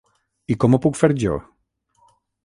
I com ho puc fer jo?